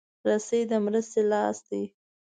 رسۍ د مرستې لاس دی.